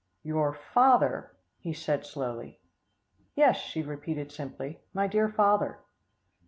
"Your father," he said slowly. "Yes," she repeated simply, "my dear father."